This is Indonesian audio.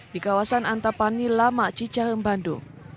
di kawasan antapanilamaci cahem bandung